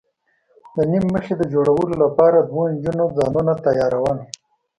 د نیم مخي د جوړولو لپاره دوو نجونو ځانونه تیاراول.